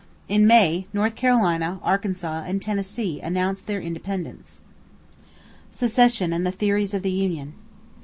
In May, North Carolina, Arkansas, and Tennessee announced their independence. =Secession and the Theories of the Union.